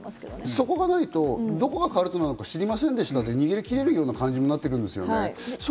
そこがないとどこがカルトなのか知りませんでしたで逃げ切れる感じになってるんですよね。